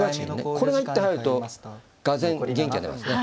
これが一手入るとがぜん元気が出ますね。